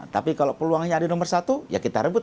tapi kalau peluangnya ada nomor satu ya kita rebut